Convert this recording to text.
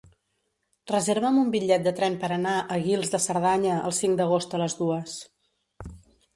Reserva'm un bitllet de tren per anar a Guils de Cerdanya el cinc d'agost a les dues.